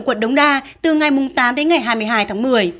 quận đống đa từ ngày tám đến ngày hai mươi hai tháng một mươi